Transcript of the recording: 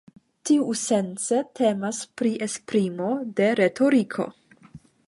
Tiusence temas pri esprimo de retoriko.